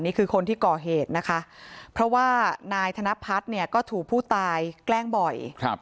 นี่คือคนที่ก่อเหตุนะคะเพราะว่านายธนพัฒน์เนี่ยก็ถูกผู้ตายแกล้งบ่อย